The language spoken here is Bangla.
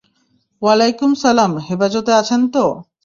ওয়াইলামকুম সালাম হেফাজতে আছেন তো?